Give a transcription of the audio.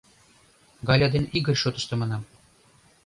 — Галя ден Игорь шотышто манам.